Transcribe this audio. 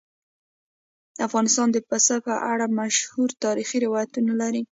افغانستان د پسه په اړه مشهور تاریخی روایتونه لري.